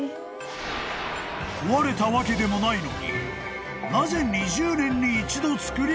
［壊れたわけでもないのに］